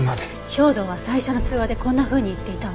兵働は最初の通話でこんなふうに言っていたわ。